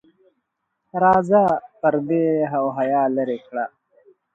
راځه پردې او حیا لرې کړه.